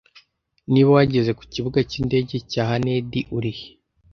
Niba wageze ku kibuga cyindege cya Hanedi urihe